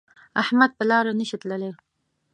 احمد په لاره نشي تللی